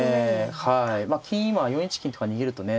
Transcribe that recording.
まあ金今４一金とか逃げるとね